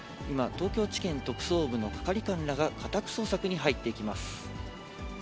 今、東京地検特捜部の係官らが家宅捜索に入っていきます。